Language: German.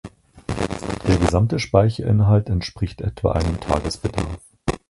Der gesamte Speicherinhalt entspricht etwa einem Tagesbedarf.